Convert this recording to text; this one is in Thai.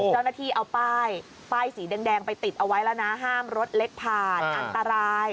เจ้าหน้าที่เอาป้ายป้ายสีแดงไปติดเอาไว้แล้วนะห้ามรถเล็กผ่านอันตราย